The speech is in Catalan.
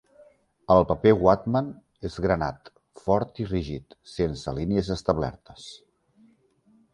El paper Whatman és granat, fort i rígid, sense línies establertes.